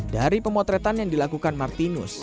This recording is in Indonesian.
dari pemotretan yang dilakukan martinus